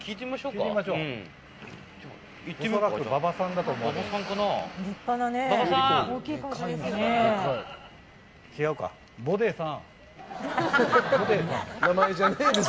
恐らく馬場さんだと思うんです。